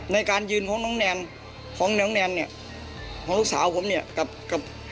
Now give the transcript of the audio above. ในการยืนของน้องแนมของน้องแนมเนี่ยของลูกสาวผมเนี่ยกับกับ